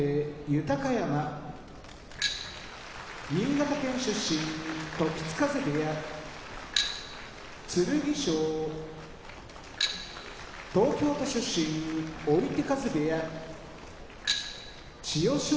豊山新潟県出身時津風部屋剣翔東京都出身追手風部屋千代翔